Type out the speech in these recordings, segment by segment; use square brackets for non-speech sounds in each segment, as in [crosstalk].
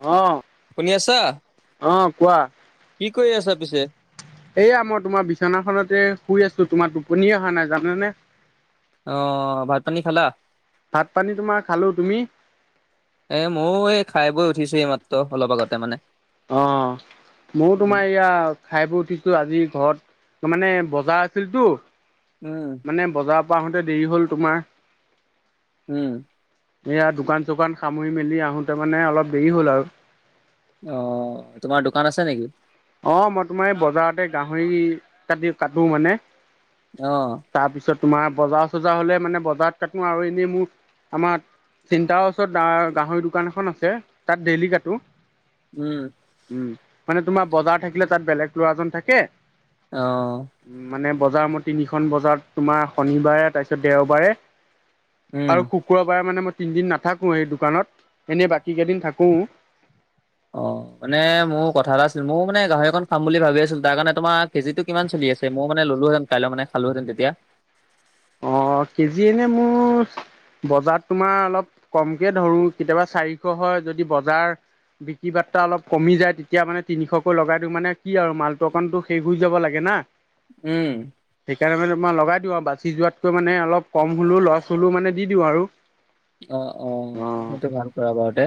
অ', শুনি আছা কি কৰি আছা। পিছে? এয়া মই তোমাৰ বিচনাখনতে- শুই আছো তোমাৰ টোপনি অহা নাই জানেনে- অ ভাত পানী খালা ভাত পানী তোমাৰ খালো তুমি- এ ময় এই খাই বৈ উঠিছো এই মাত্ৰ অলপ আগতে মানে । অ ময়ো তোমাৰ ইয়া খাইবৈ উঠিছো আজি ঘৰত - ত মানে বজাৰ আছিলটো। উম মানে বজাৰৰ পৰা আহোতে দেৰি হ'ল তোমাৰ- উম [unintelligible] এয়া দোকান-চোকান সামৰি মেলি আহোঁতে মানে অলপ দেৰি হ'ল আৰু [unintelligible] [unintelligible] অ তোমাৰ দোকান আছে নেকি? [inaudible] অ মই তোমাৰ এই বজাৰতে গাহৰি কাটি কাটো মানে । আহ তোমাৰ বজাৰ-চজাৰ হলে মানে বজাৰত কাটো আৰু এনেই মোৰ আমাৰ চিন্তাৰ ওচৰত গাহৰি দোকান এখন আছে তাত ডেইলি কাটো । উম উম মানে তোমাৰ বজাৰ থাকিলে তাত বেলেগ লৰাজন থাকে । আহ বজাৰ মোৰ তিনিখন বজাত তোমাৰ শনিবাৰে তাৰপিছত দেওবাৰে - উম আৰু শুকুৰবাৰে মানে মই তিনিদিন নাথাকোঁৱেই সেই দোকানত এনে বাকী কেইদিন থাকো অ মানে মোৰ কথা এটা আছিল মোৰ মানে গাহৰি অকন খাম বুলি ভাবি আছিলো তাৰ কাৰণে তোমাৰ কেজিটো কিমান চলি আছে মই মানে ল'লোহেতেন কাইলৈ মানে খালোহেতেন তেতিয়া অ কেজি এনেই মোৰ বজাৰ তোমাৰ অলপ কমকে ধৰো কেতিয়াবা চাৰিশ হয় যদি বজাৰ বিক্ৰী বাৰ্তা অলপ কমি যায় তেতিয়া মানে তিনিশকৈ লগাই দিওঁ মানে কি আৰু মালটো অকণটো শেষ হৈ যাব লাগে না । উম লগাই দিওঁ আৰু বাচি যোৱাতকৈ মানে অলপ কম হ'লেও লছ হ'লেও মানে দি দিওঁ। আৰু আহ অ সেইটো ভাল কৰা বাৰুতে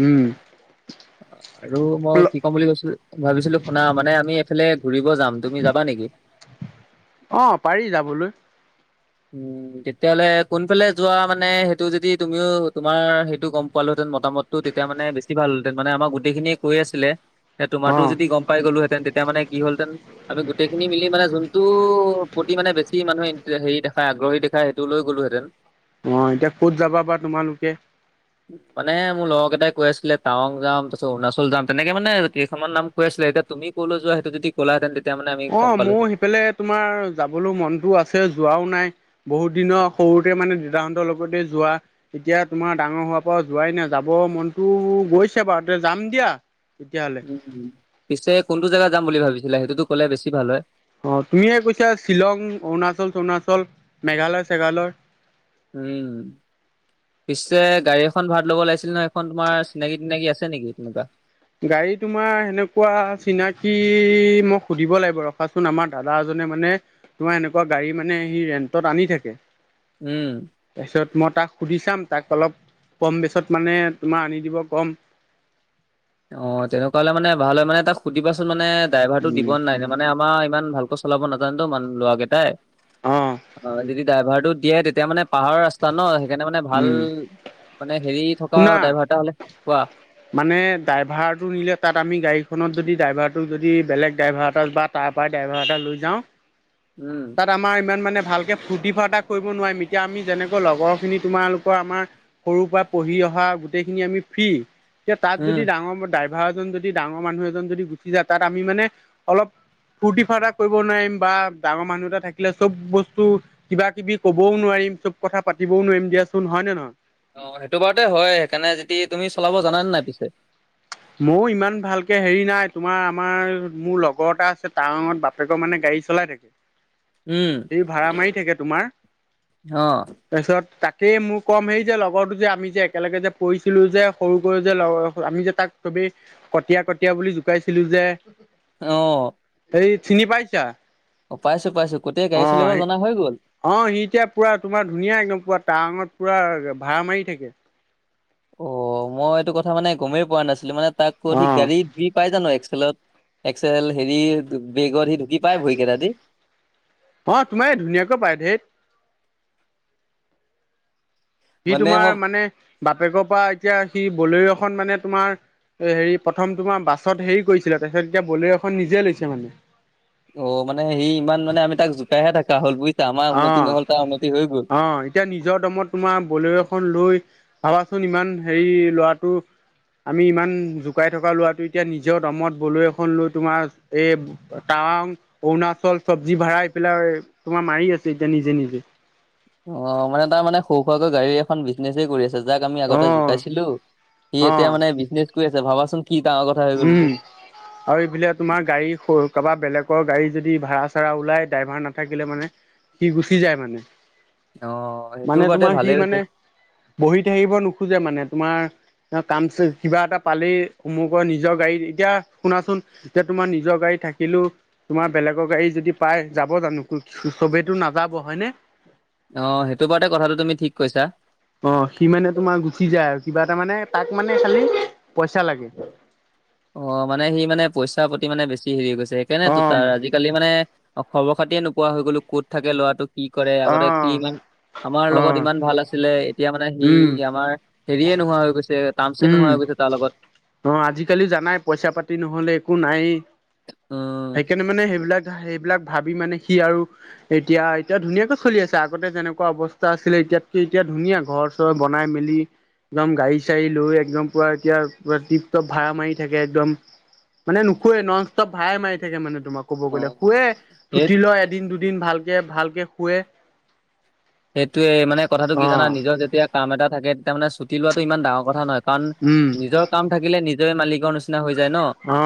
উম আৰু মই কি ক'ম বুলি কৈছিলো ভাবিছিলো শুনা মানে আমি এইফালে ফুৰিব যাম তুমি যাবা নেকি? অ', পাৰি যাবলৈ উম তেতিয়াহ'লে কোনফালে যোৱা মানে সেইটো যদি তুমিও তোমাৰ সেইটো গম পালোহেতেন মই মতামতটো তেতিয়া মানে বেছি ভাল হলহেঁতেন মানে আমাক গোটেইখিনিয়েই কৈ আছিলে । তোমাৰতো অ', যদি গম পাই গ'লোহেতেন তেতিয়া মানে কি হলহেতেন আমি গোটেইখিনি মিলি মানে যোনটো মানে বেছি মানুহে হেৰি দেখ আগ্ৰহী দেখা সেইটো টো লৈ গ'লোহেতেন অ এতিয়া ক'ত যাবা বাবা তোমালোকে । [unintelligible] মানে মোৰ লগৰকেইটাই কৈ আছিলে টাৱং যাম তাৰপিছত অৰুণাচল যাম তেনেকে মানে কেইখনমান নাম কৈ আছিল । এতিয়া তুমি কলৈ যোৱা সেইটো যদি কলাহেতেন - অ মোৰ সিফালে তোমাৰ যাবলৈ মনটো আছে যোৱাও নাই । বহুত দিনৰ সৰুতে মানে দেউতাহঁতৰ লগতে যোৱা এতিয়া তোমাৰ ডাঙৰ হোৱাৰ পৰা যোৱাই নাই যাব । মনটো গৈছে বাৰু তে যাম দিয়া । উম পিছে কোনটো জেগা যাম বুলি ভাবিছিলা সেইটোতো ক'লে বেছি ভাল হয় । অ তুমিয়ে কৈছা শ্বিলং, অৰুণাচল-চৰুণাচল, মেঘালয়-চেঘালয় । উম [unintelligible] পিছে গাড়ী এখন ভাড়া ল'ব লাগিছিল নহয় সেইখন তোমাৰ চিনাকি-টিনাকি আছে নেকি তেনেকুৱা? [unintelligible] গাড়ী তোমাৰ সেনেকুৱা চিনাকি মোক সুধিব লাগিব ৰখাচোন আমাৰ দাদা এজন মানে-মানে তোমাৰ এনেকুৱা গাড়ী মানে সি ৰেন্টত আনি থাকে । উম। তাৰপিছত মই তাক সুধি চাম । তাক অলপ কম বেচত মানে তোমাৰ আনি দিব কম । অ তেনেকুৱা হলে মানে ভাল হয় মানে তাক সুধিবাচোন মানে ড্ৰাইভাৰটো দিব উম নাই ন মানে আমাৰ ইমান । ভালকৈ চলাব নাজানে তো মানুহ ল'ৰাকেইটাই অঁ অ যদি ড্ৰাইভাৰটো দিয়ে তেতিয়া মানে । পাহাৰ ৰাস্তা ন সেইকাৰণে মানে ভাল উম মানে হেৰি সি থকা শুনা ড্ৰাইভাৰটা হলে কোৱা মানে ড্ৰাইভাৰটো নিলে তাত আমি গাড়ীখনত যদি ড্ৰাইভাৰটোক যদি বেলেগ ড্ৰাইভাৰ এটাত বা তাৰ পৰা এ লৈ যাওঁ উম, তাত আমাৰ ইমান মানে [unintelligible] ভালকে ফূ্তি ফাৰ্তা কৰিব নোৱাৰিম এতিয়া আমি যেনেকৈ লগৰখিনি তোমালোকৰ আমাৰ সৰুৰ পৰা পঢ়ি । পঢ়ি অহা গোটেইখিনি আমি ফ্ৰিৰি এতিয়া তাত উম। যদি ডাঙৰ ড্ৰাইভাৰ এজন যদি ডাঙৰ মানুহ এজন যদি গুচি যায় তাত আমি মানে অলপ । ফূৰ্তি-ফাৰ্তা কৰিব নোৱাৰিম বা ডাঙৰ মানুহ এটা থাকিলে চব বস্তু কিবাকিবি কবও নোৱাৰিম । চব কথা পাতিবও নোৱাৰিম দিয়াচোন হয় নে নহয় । অ সেইটো বাৰতে হয় সেইকাৰণে যদি তুমি চলাব জানে নাই পিছে? ময়ও ইমান ভালকে হেৰি নাই তোমাৰ আমাৰ মোৰ লগৰ এটা আছে তাৰ বাপেকৰ মানে গা গাড়ী চলাই থাকে উম, সি ভাড়া মাৰি থাকে তোমাৰ অ', ।তাৰপিছত তাক সেই মোৰ কম হেৰি যে লগৰতো যে আমি যে একেলগে যে পঢ়িছিলো যে সৰু কৰি যে আমি যে তাক চবেই কটীয়া কটীয়া বুলি জোকাইছিলো যে অ'। হেৰি চিনি পাইছা? অ' পাইছো পাইছো গোটেই অ গাড়ী চলিব জনা হৈ গ'ল। অ সি এতিয়া পুৰা তোমাৰ ধুনীয়া একদম পুৰা টত পুৰা ভাড়া মাৰি থাকে। অ মই এইটো কথা মানে গমেই পোৱা নাছিলো মানে তাক অ অধিক গাড়ী পাই জানো এক্সেল'ত? এক্সেল হেৰি বেগত ঢুকি পাই ভৰি কেইটা দি অ তোমাৰ ধুনীয়াকৈ পায়ে ঢে'ত সি মানে মই তোমাৰ মানে বাপেকৰ পৰা এতিয়া সি বলেৰো এখন মানে তোমাৰ হেৰি প্ৰথম তোমাৰ বাছত হেৰি কৰিছিলে তাৰপিছত এতিয়া বলেৰো এখন নিজে লৈছে মানে। অ মানে সি ইমান মানে আমি তাক জোকাইহে থাকা হ'ল বুজিছা। আমাৰ উন্নতি অ নহল তাৰ উন্নতি হৈ গ'ল। অ এতিয়া নিজৰ দমত তোমাৰ বলে'ৰো এখন লৈ ভাবাচোন ইমান হেৰি ল'ৰাটো আমি ইমান জোকাই থকা লৰাটো এতিয়া নিজৰ দমত বলেৰো এখন লৈ তোমাৰ এই তা আং, অৰুণাচল চব্জি ভাড়া এই পেলাই তোমাৰ মাৰি আছে এতিয়া নিজে নিজে। অ মানে তাৰ মানে সৰু খোৱাকৈ গাড়ী এখন বিজনেচে কৰি আছে। জাক আমি অ আগতে জুকাইছিলো সি অ এতিয়া মানে বিজনেছ কৰি আছে ভাবাচোন? কি ডাঙৰ কথা হৈ গ'লতো। উম আৰু এইবিলাক তোমাৰ গাড়ী সৰু কবা বেলেগৰ গাড়ী যদি ভাড়া- চাড়া ওলাই দ্ৰাইভাৰ নাথাকিলে মানে সি গুচি যায় মানে। অ' সেইটো মানে বাৰুতে তোমাৰ সি ভালেই হৈছে মানে বহি থাকিব নোখোজে মানে তোমাৰ অ কাম কিবা এটা পালেই মোক নিজৰ গাড়ী এতিয়া শুনাচোন এতিয়া তোমাৰ নিজৰ গাড়ী থাকিলো তোমাৰ বেলেগৰ গাড়ী যদি পাই পাই যাব জানো চবেইতো নাযাব হয়নে আহ সেইটো বাৰতে কথাটো তুমি ঠিক কৈছা। অ সি মানে তোমাৰ গুচি যায় আৰু কিবা এটা মানে তাক মানে খালি পইচা লাগে। অ মানে সি মানে পইচাৰ প্ৰতি মানে বেছি হেৰি গৈছে অ সেইকাৰনেতো তাৰ আজিকালি মানে খবৰ- খাতিয়ে নোপোৱা হৈ গ'লো ক'ত থাকে ল'ৰাটো, কি কৰে, অ আগতে কি ইমান আমাৰ অ লগত ইমান ভাল আছিলে এতিয়া মানে সি উম আমাৰ হেৰিয়ে নোহোৱা হৈ গৈছে টানচ'এ উম নোহোৱা হৈ গৈছে তাৰ লগত। অ আজিকালি জানাই পইচা- পাতি নহলে একো নাই। উম সেইকাৰণে মানে সেইবিলাক স বিলাক ভাবি মানে সি আৰু এতিয়া এতিয়া ধুনীয়াকৈ চলি আছে আগতে যেনেকুৱা অৱস্থা আছিলে এতিয়াতকে এতিয়া ধুনীয়া ঘৰ- চৰ বনাই মেলি একদম গাড়ী -চাৰী লৈ একদম পুৰা এতিয়া পৰা টিপ টপ ভাড়া মাৰি থাকে একদম মানে নুশুৱে ননষ্টপ ভাড়াই মাৰি থাকে মানে তোমাক ক'ব গ'লে অ' শুৱে সেই চুটি লয় এদিন দুদিন ভালকে ভালকে শুৱে, সেইটোয়ে মানে কথাটো কি অ জানা নিজৰ যেতিয়া কাম এটা থাকে তেতিয়া মানে ছুটি লোৱাটো ইমান ডাঙৰ কথা নহয় কাৰণ উম নিজৰ কাম থাকিলে নিজৰে মালিকৰচিনা হৈ যায় ন? অ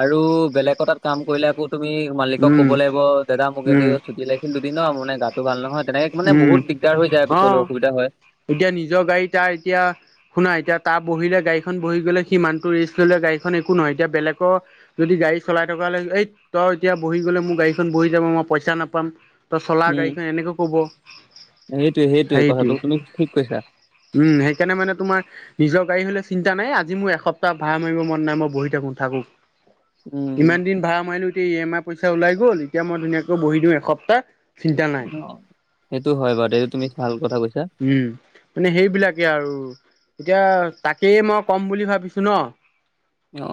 আৰু বেলেগ তাত কাম কৰিলে আকৌ তুমি মালিকক উম ক'ব লাগিব দ মোক এ উম ছুটি লাইছিল দুদিনৰ মানে গাটো ভাল নহয় তেনেকে মানে উম বহুত দিগদাৰ হৈ যায় অ পিছলৈ অসুবিধা হয় এতিয়া নিজৰ গাড়ী তাৰ এতিয়া শুনা এতিয়া তাৰ বহিলে গাড়ী বহি গ'লে সিমান ৰেষ্ট ল'লে গাড়ীখন একো নহয় এতিয়া বেলেগৰ যদি গাড়ী চলাই থকা হ'লে এই তই এতিয়া বহি গ'লে মোৰ গাড়ীখন বহি যাব মই পইচা নাপাম তই চলা উম গাড়ীখন এনেকৈ ক'ব। সেইটোৱে কথাটো তুমি ঠিক কৈছা উম সেইকাৰণে মানে তোমাৰ নিজৰ গাড়ী হ'লে চিন্তা নাই আজিৰ এসপ্টাহ ভাড়ামাৰি'ব মন নাই মই বহি থাকো থাকো উম। ইমান দিন ভাড়া মাৰিলো এতিয়া ই এম আই পইচা ওলাই গ'ল এতিয়া মই ধুনীয়াকৈ বহি দিওঁ এসপ্তাহ চিন্তা নাই অ। উম, মানে সেইবিলাকে আৰু। এতিয়া তাকেই মই ক'ম বুলি ভাবিছো ন।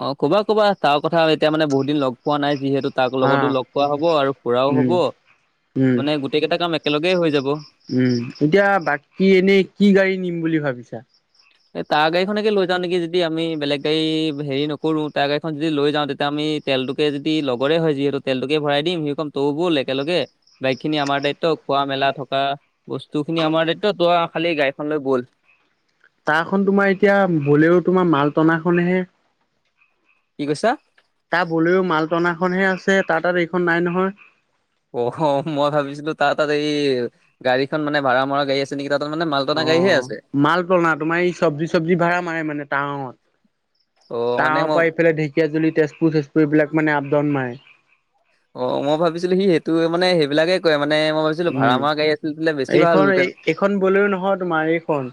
অ ক'বা, ক'বা তাও কথা এতিয়া মানে বহুত দিন লগ পোৱা নাই যিহেতু তাক লগতো অ লগ পোৱা হব আৰু ফুৰাও হব উম, উম, মানে গোটেই কেইটা কাম একেলগেই হৈ যাব উম এতিয়া বাকী এনেই কি গাড়ী নিম বুলি ভাবিছা। এই তাৰ গাড়ী খনকে লৈ যাও নেকি যদি আমি বেলেগ ত হেৰি নকৰোঁ তাই গাড়ীখন যদি লৈ যাওঁ তেতিয়া আমি তেলটোকে যদি লগৰে হয় যিহেতু তেলটোকে ভৰাই দিম সি কম তৌ ব'ল একেলগে বাকী খিনি আমাৰ দায়িত্ব খোৱা মেলা থকা বস্তু খিনি আমাৰ দায়িত্ব ত খালী গাড়ীখনলৈ বল তাহ খন তোমাৰ এতিয়া বলেৰো তোমাৰ মাল টনাখনহে কি কৈছা তাৰ বলেও মালটনাখনহে আছে তাত তাত এইখন নাই নহয় অ মই ভাবিছিলো তাত তাত এই গাড়ীখন মানে ভাড়া মৰা গাড়ী আছে নেকি? তাৰ তাত মানে মাল অ টনা গাড়ীহে আছে মাল তনা তোমাৰ এই চব্জি চব্জি ভাড়া মাৰে মানে অ টাৱঙত মানে তাৱৰ মই পৰা এইফালে ঢেকীয়াাজুলি তেজপুৰ তেজপুৰ এইবিলাক মানে আপ ডাউন মাৰে অ মই ভাবিছিলো সি সেইটোৱে মানে সেইবিলাকে কয় মফ ভাবছিলো ভড়া উম, মৰা গাড়ী আছিলো এইখন এই এইখন বলেৰো নহয় তোমাৰ এইখন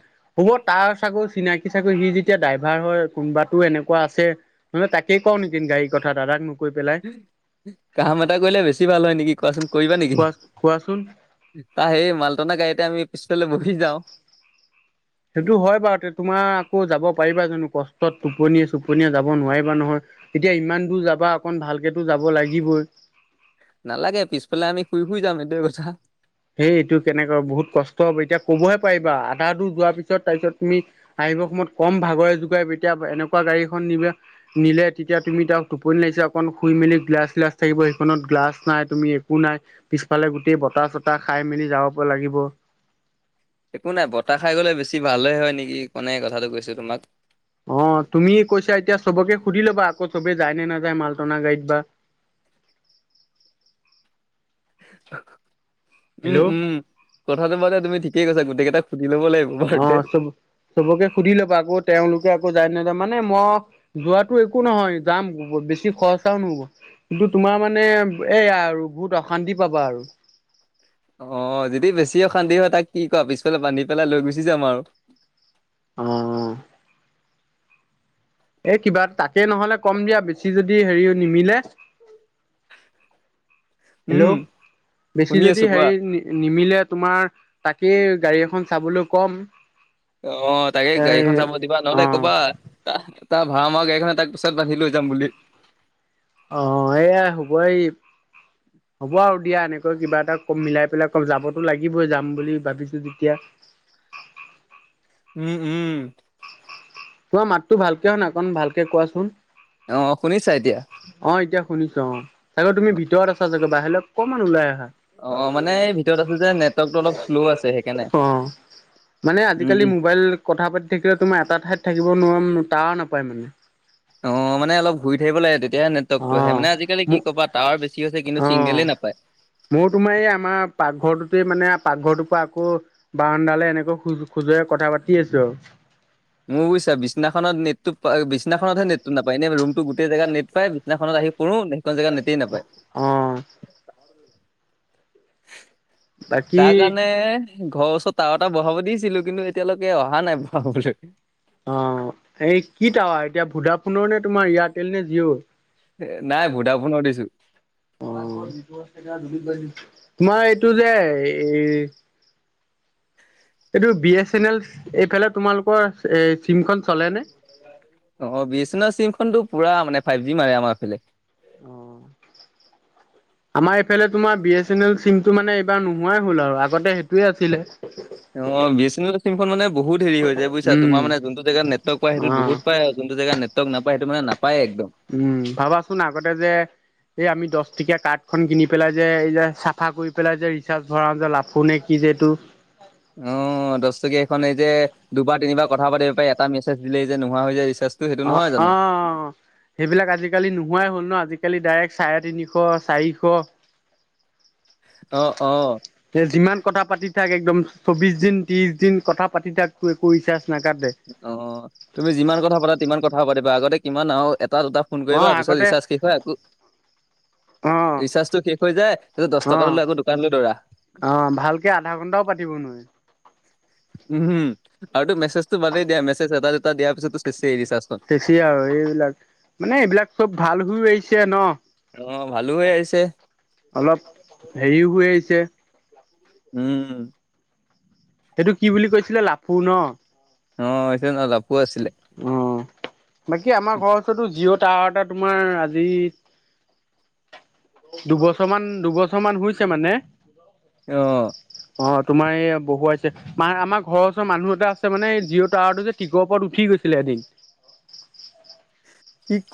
হ'ব তাৰ চাগৈ চিনাকি সি চাগৈ সি যেতিয়া ড্ৰাইভাৰ হয় কোনবাতো এনেকুৱা আছে নহলে তাকে কওঁ নেকি গাড়ীৰ কথা দাদাক পেলাই। কাম এটা কৰিলে বেছি ভাল হয় নেকি কোৱাচোন? কৰিবা নেকি? কোৱা কোৱাচোন তাৰ সেই মালটনা গাড়ীতে আমি পিছফালে বহি যাওঁ সেইটো হয় বাৰু। তে তোমাৰ আকৌ যাব পাৰিবা জানো? কষ্টত টোপনিয়ে চোপনিয়ে যাব নোৱাৰিবা নহয়। এতিয়া ইমান দূৰ যাবা, অকন ভালকেতো যাব লাগিবই। [unintelligible] নালাগে। পিছফালে আমি শুই-শুই যাম এইটো কথা। সেই এইটো কেনেকৈ বহুত কষ্ট হ'ব। এতিয়া কবহে পাৰিবা। আধা দূৰ যোৱাৰ পিছত তাৰপিছত তুমি আহিবৰ সময়ত কম ভাগৰে যোগাই তেতিয়া এনেকুৱা গাড়ীখন নিলে তেতিয়া তুমি তাক টোপনি লাগিছে অকন শুই মেলি গ্লাছ, গ্লাছ থাকিব। সেইখনত গ্লাছ নাই তুমি একো নাই। পিছফালে গোটেই বতাহ চত তা খাই মেলি যাব পৰা লাগিব। একো নাই বতাহ খাই গ'লে বেছি ভালে হয় নেকি। কাৰণে এই কথাটো কৈছো তোমাক। অ, তুমি কৈছা এতিয়া চবকে সুধি ল'বা আকৌ। চবে যায় নে নাযায় মালটনা গাড়ীত বা? [inaudible] উম, হেল্ল' উম। কথাটো মানে তুমি ঠিকেই কৈছা গোটেই কেইটাক অ, চব চবকে সুধি লবা আকৌ। তেওঁলোকে আকৌ যায় নাযায়। মানে মই যোৱাতো একো নহয় যাম। বেছি খৰচাও নহব। কিন্তু তোমাৰ মানে এয়া আৰু বহুত অশান্তি পাবা আৰু। অ' যদি বেছি অশান্তি হয় তাক কি কোৱা পিছফালে বান্ধি পেলাই লৈ গুচি যাম আৰু। অ। এ কিবা তাকে নহলে কম দিয়া বেছি যদি হেৰি নিমিলে। [inaudible] হেল্ল', উম বেছি শুনি যদি আছো কোৱা হেৰি নিমিলে তোমাৰ তাক কে গাড়ী এখন চাবলৈ কম। অ, তাকে এ গাড়ীখন চাব দিবা নহ'লে অ' ক'বা [unintelligible] তাৰ ভাড়া মৰা গাড়ীখনে তাক পিছত বান্ধি লৈ যাম বুলি। অ এয়া হুবই হ'ব আৰু দিয়া এনেকৈ কিবা এটা কম মিলাই পেলাই কম। যাবতো লাগিবই যাম বুলি ভাবিছো যেতিয়া। উম উম তোমাৰ মাততো ভালকে অহা নাই অকণ ভালকে কোৱাচোন অ' শুনিছা এতিয়া অ এতিয়া শুনিছো অ চাগে তুমি ভিতৰত আছা চাগত বাহিলে অকণমান ওলাই অহা অ' মানে ভিতৰত আছো যে নেটৱৰ্কটো অলপ শ্ল' আছে সেইকাৰণে অ মানে উম আজিকালি উম। মোবাইল কথা পাতি থাকিলে তোমাৰ এটা ঠাইত থাকিব নোৱাৰ টাৱাৰ নাপায় মানে। অ, মানে অলপ ঘূৰি থাকিব লাগে তেত এতিয়া অ নেটৱৰ্কটো আহে মানে। আজিকালি কি মোক ক'বা টাৱাৰ বেছি হৈছে কিন্তু অ চিগনেলেই নাপায়। [unintelligible] মোৰ তোমাৰ এই আমাৰ পাকঘৰটোতে মানে পাকঘৰটোৰ পৰা আকৌ বাৰণ্ডালে এনেকৈ খোজ খোজৰে কথা পাতি আছো আৰু। অসমত নেটটো বিছনাখনতহে নেটটো নাপায়। এনে ৰূমটোৰ গোটেই জেগাত নেট পায়। বিছনাখনত আহি পৰো, সেইখন জেগাত নেটেই নাপায়। [inaudible] [inaudible] বাকী তাৰ কাৰণে ঘৰৰ ওচৰত তাৱাৰটা বহাব দিছিলো। কিন্তু এতিয়ালৈকে অহা নাই বহাবলে। অ, এই কি তাৱাৰ এতিয়া ভুডা ফোনৰ নে তোমাৰ এয়াৰটেল নে জিঅ'? নাই ভোডাফোনৰ দিছো [unintelligible] তোমাৰ এইটো যে এই এইটো বি এছ এন এল। এইফালে তোমালোকৰ এ চিমখন চলেনে? অ বি এ চেনেলৰ চিমখনতটো পুৰা মানে ফাইভ জি মাৰে আমাৰ এইফালে। আমাৰ এইফালে তোমাৰ বি এছ এন এল চিমটো মানে এইবাৰ নোহোৱাই হ'ল আৰু আগতে সেইটোৱে আছিলে। অ বি এছ চেলেনৰ চিমখন মান বহুত হেৰি হৈ য বুজিছা। উম তোমাৰ মানে যোনটো জেগাত নেটৱৰ্ক পায় সেইটো অ' বহুত পায় যোনটো জেগাত নে [unintelligible] উম, ভাবাচোন আগতে যে এই আমি দছ তেতিয়া কাৰ্ডখনন কিনি পেলাই যে এই যে চাফা কৰি পেলাই যে ৰিচাৰ্জ ভৰাওঁ যে লাফো নে কি যে এইটো অ দহকীয়া এইখন এই যে দুবাৰ তিনিবাৰ কথা পাতি পাৰে এটা মেছেজ দিলে এই যে নোহোৱা হৈ যে । অ অ অ সেইবিলাক আজিকালি নোহোৱাই হ'ল ন আজি জ খালি ডাইৰেক্ট চাৰে তিনিশ অ', অ', চাৰিশ যিমান কথা পাতি থাকে একদম চৌবিশ দিন ত্ৰিশ দিন কথা পাতি তাক কৰিছা অ তুমি যিমান কথা পাতা কিমান কথা পাতিবা আগতে কিমান আৰু তাত দুটা ফোন কৰিবা অ' পিছত আগতে ৰিচাৰ্জ কি হয় আকৌ অ', ৰিচাৰ্জটো শেষ হৈ যায় ত দহ টকাটো অ', আকৌ দোকানলৈ দৌৰা এঘন্টাও পাতিব নোৱাৰে। উম আৰু মে বাদেই দিয়া মেছেজ এটা দুটা দিয়াৰ পিছতো চেষ্ট এ দি চা চেচি আৰু এইবিলাক মানে এইবিলাক চব ভাল হৈ আহিছে ন অ', ভালো হৈ আহিছে অলপ হেৰিও হৈ আহিছে উম সেইটো কি বুলি কৈছিলে লাফু ন অ সেটো অলপ লাফু আছিলে । অ', বাকী আমাৰ ঘৰৰ ওচৰতো জিঅ' টাৱাৰ এটা তোমাৰ আজি দুবছৰ মান দুবছৰ মান হৈছে মানে আহ অ তোমাৰ এইয়া বহুৱাইছে মা আমাৰ ঘৰৰ ওচৰ মানুহ এটা আছে মানে জিঅ' টাৱাৰ টো যে টিঙৰ ওপৰত উঠি গৈছে । আছিলে এদিন কি